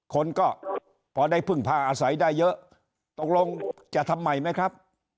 คนก็พอได้พึ่งพาอาศัยได้เยอะตกลงจะทำใหม่ไหมครับ